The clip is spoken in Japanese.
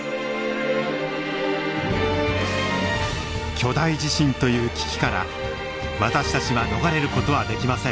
巨大地震という危機から私たちは逃れる事はできません。